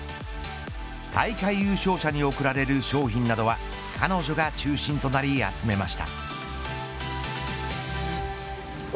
大会優勝者に贈られる商品などは彼女が中心となり集めました。